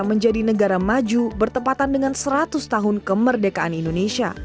menjadi negara maju bertepatan dengan seratus tahun kemerdekaan indonesia